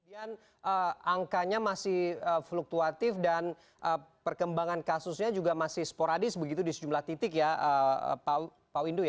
kemudian angkanya masih fluktuatif dan perkembangan kasusnya juga masih sporadis begitu di sejumlah titik ya pak windu ya